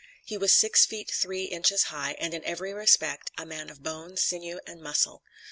He was six feet three inches high, and in every respect, a man of bone, sinew and muscle.